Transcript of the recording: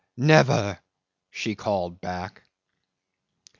Never!" she called back.